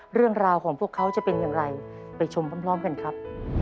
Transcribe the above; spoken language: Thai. เรื่องราวของพวกเขาจะเป็นอย่างไรไปชมพร้อมกันครับ